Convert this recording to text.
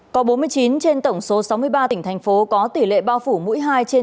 có bốn mươi chín trên tổng số sáu mươi ba tỉnh thành phố có tỷ lệ bao phủ mũi hai trên